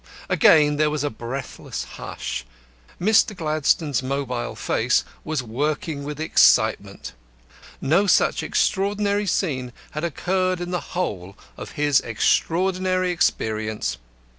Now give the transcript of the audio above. Again there was a breathless hush. Mr. Gladstone's mobile face was working with excitement. No such extraordinary scene had occurred in the whole of his extraordinary experience.